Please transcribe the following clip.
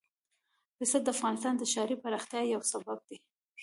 پسه د افغانستان د ښاري پراختیا یو سبب دی.